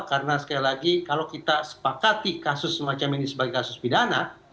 karena sekali lagi kalau kita sepakati kasus semacam ini sebagai kasus pidana